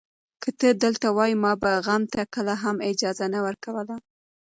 که ته دلته وای، ما به غم ته کله هم اجازه نه ورکوله.